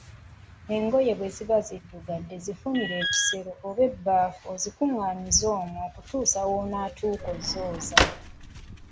Engoye bwe ziba ziddugadde zifunire ekisero oba ebbaafu ozikunganyize omwo okutuusa lw‘onotuuka okuzooza.